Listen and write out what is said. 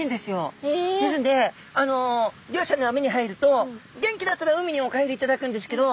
あの漁師さんのあみに入ると元気だったら海にお帰りいただくんですけど